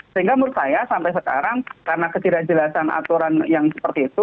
sehingga menurut saya sampai sekarang karena ketidakjelasan aturan yang seperti itu